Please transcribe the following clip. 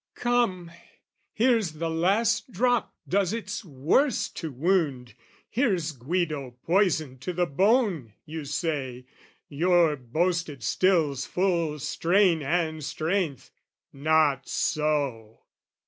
Come, here's the last drop does its worst to wound, Here's Guido poisoned to the bone, you say, Your boasted still's full strain and strength: not so!